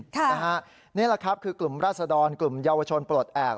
นี่แหละครับคือกลุ่มราศดรกลุ่มเยาวชนปลดแอบ